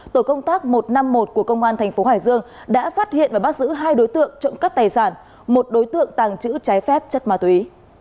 tổ công tác một trăm năm mươi một của công an thành phố hải dương đã phát hiện và bắt giữ hai đối tượng trộm cắp tài sản một đối tượng tàng trữ trái phép chất ma túy